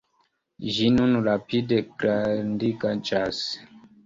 Ĝi nun rapide grandiĝas.